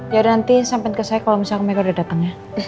ya nanti sampai ke saya kalau misalnya mereka udah datang ya